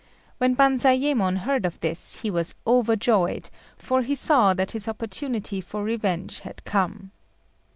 When Banzayémon heard of this, he was overjoyed; for he saw that his opportunity for revenge had come.